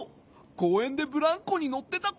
こうえんでブランコにのってたこ。